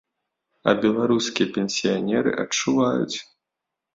А беларускія пенсіянеры адчуваюць!